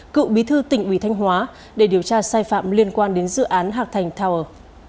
cựu bí thư tỉnh ủy thanh hóa để điều tra sai phạm liên quan đến dự án hạc thành tower